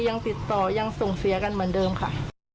ยังติดต่อยังส่งเสียกันเหมือนเดิมค่ะ